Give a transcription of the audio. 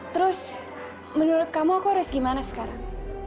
terus menurut kamu aku harus gimana sekarang